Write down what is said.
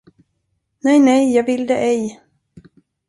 Nej, nej, jag vill det ej.